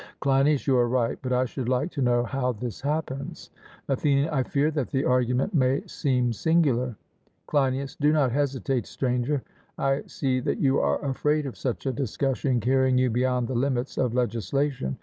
CLEINIAS: You are right; but I should like to know how this happens. ATHENIAN: I fear that the argument may seem singular. CLEINIAS: Do not hesitate, Stranger; I see that you are afraid of such a discussion carrying you beyond the limits of legislation.